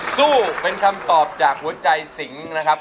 สู้เป็นคำตอบจากหัวใจสิงนะครับ